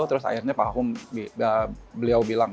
terus akhirnya pak hum beliau bilang